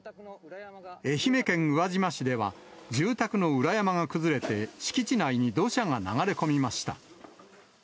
愛媛県宇和島市では住宅の裏山が崩れて、敷地内に土砂が流れ込みました。